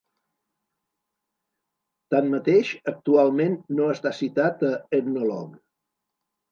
Tanmateix, actualment no està citat a "Ethnologue".